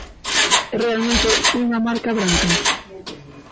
É realmente unha marca branca?